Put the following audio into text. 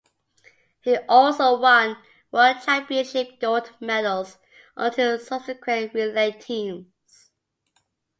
He also won World Championship gold medals on two subsequent relay teams.